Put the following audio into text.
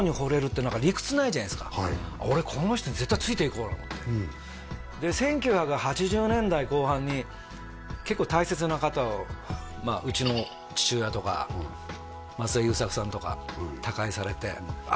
うんはい何かと思ってで１９８０年代後半に結構大切な方をまあうちの父親とか松田優作さんとか他界されてああ